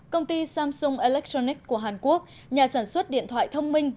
công ty samsung electronic của hàn quốc nhà sản xuất điện thoại thông minh